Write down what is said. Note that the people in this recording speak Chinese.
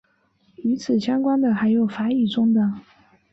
与此相关的还有法语中的。